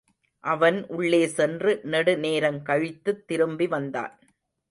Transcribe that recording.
அவன் உள்ளே சென்று நெடு நேரங்கழித்துத் திரும்பி வந்தான்.